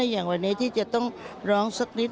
อย่างวันนี้ที่จะต้องร้องสักนิด